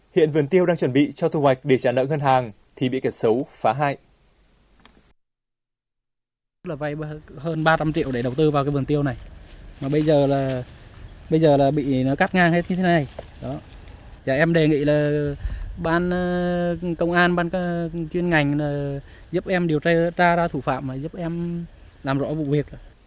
hiện vườn tiêu đang chuẩn bị cho thu hoạch để trả nợ ngân hàng thì bị kẻ xấu phá hại